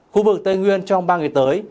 khu vực tây nguyên trong ba ngày tới